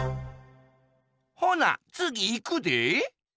ほなつぎいくで。